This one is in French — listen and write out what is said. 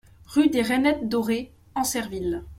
Rue des Reinettes Dorées, Ancerville